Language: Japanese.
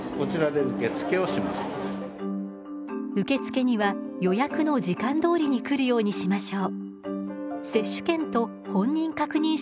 受付には予約の時間どおりに来るようにしましょう。